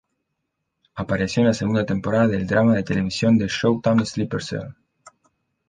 Apareció en la segunda temporada del drama de televisión de Showtime Sleeper Cell.